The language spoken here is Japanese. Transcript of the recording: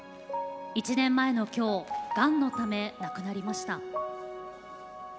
１年前の今日がんのため亡くなりました。